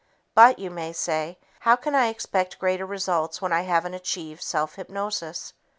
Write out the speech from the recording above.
"But," you may say, "how can I expect greater results when I haven't achieved self hypnosis?"